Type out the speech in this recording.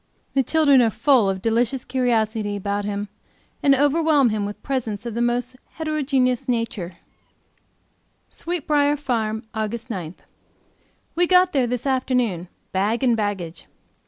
The children are full of delicious curiosity about him, and overwhelm him with presents of the most heterogeneous character. Sweet Briar Farm, AUG. 9. We got there this afternoon, bag and baggage.